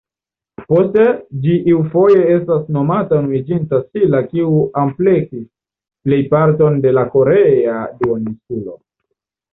Poste, ĝi iufoje estas nomata Unuiĝinta Silla kiu ampleksis plejparton de la korea duoninsulo.